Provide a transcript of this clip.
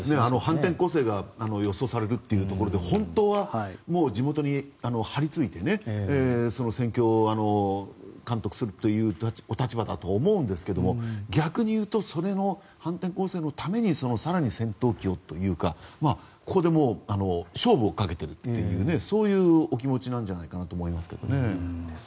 反転攻勢が予想される中で本当は地元に張り付いてその戦況を監督するというお立場だと思うんですけども逆に言うと反転攻勢のために更に戦闘機をというかここで勝負というそういうお気持ちなんじゃないかなと思いますけどね。